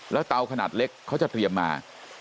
แล้วเตาขนาดเล็กเขาจะเตรียมมา